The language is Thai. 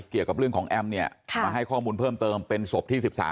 เกี่ยวกับเรื่องของแอมเนี่ยมาให้ข้อมูลเพิ่มเติมเป็นศพที่๑๓